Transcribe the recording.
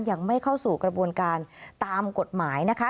ยังไม่เข้าสู่กระบวนการตามกฎหมายนะคะ